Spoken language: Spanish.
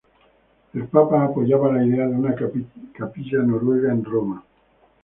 El papa apoyaba la idea de una capilla noruega en Roma.